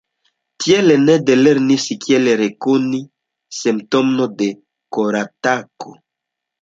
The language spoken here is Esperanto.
Tiel Ned lernis kiel rekoni simptomon de koratako.